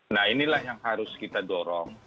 nah inilah yang harus kita dorong